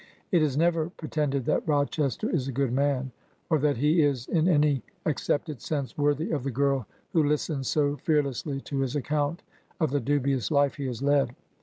It is never pretended that Rochester is a good man, or that he is in any accepted sense worthy of the girl who Ustens so fearlessly to his account of the dubious life he has led.